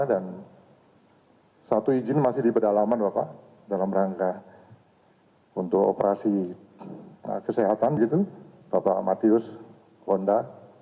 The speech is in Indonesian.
dan satu izin masih diberdalaman bapak dalam rangka untuk operasi kesehatan gitu bapak amatius wonda